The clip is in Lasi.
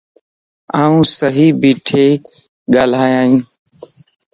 آن صحيح ٻيڻھي ڳالھائين